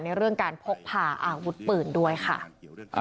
เรื่องการพกพาอาวุธปืนด้วยค่ะ